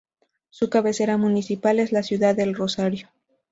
Su cabecera municipal es la ciudad de El Rosario.